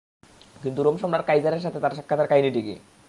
কিন্তু রোম সম্রাট কাইসারের সাথে তাঁর সাক্ষাতের কাহিনীটি কী?